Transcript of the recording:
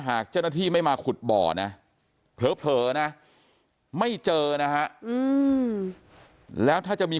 หากเจ้าหน้าที่ไม่มาขุดบ่อนะเผลอนะไม่เจอนะฮะแล้วถ้าจะมี